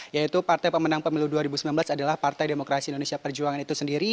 yaitu partai pemenang pemilu dua ribu sembilan belas adalah partai demokrasi indonesia perjuangan itu sendiri